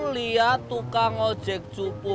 liat tukang ojek cupu